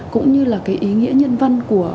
cũng như là cái ý nghĩa nhân văn của